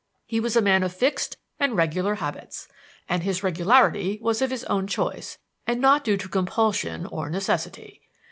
He was a man of fixed and regular habits, and his regularity was of his own choice and not due to compulsion or necessity.